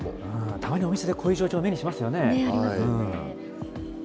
たまにお店でこういう状況目にしますよね。